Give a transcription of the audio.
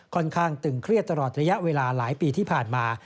ตึงเครียดตลอดระยะเวลาหลายปีที่ผ่านมา